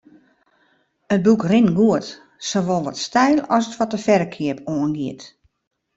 It boek rint goed, sawol wat styl as wat de ferkeap oangiet.